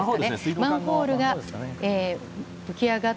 マンホールが噴き上がり